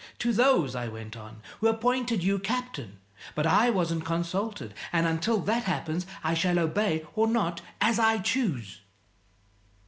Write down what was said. " To those," I went on, "who appointed you captain. But I wasn't consulted, and until that happens, I shall obey or not, as I choose."